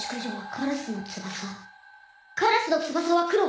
カラスの翼は黒！